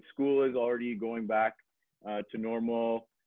sekolah sudah kembali ke normal